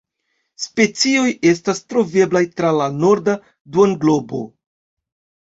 Specioj estas troveblaj tra la norda duonglobo.